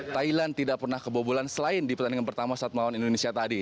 thailand tidak pernah kebobolan selain di pertandingan pertama saat melawan indonesia tadi